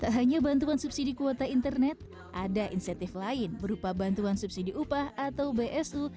tak hanya bantuan subsidi kuota internet ada insentif lain berupa bantuan subsidi upah atau bsu